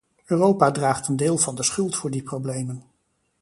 Europa draagt een deel van de schuld voor die problemen.